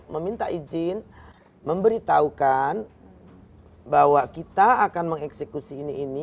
meminta izin memberitahukan bahwa kita akan mengeksekusi ini ini